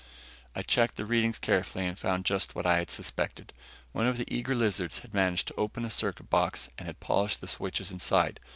I checked the readings carefully and found just what I had suspected. One of the eager lizards had managed to open a circuit box and had polished the switches inside.